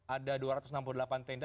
ada dua ratus enam puluh delapan tenda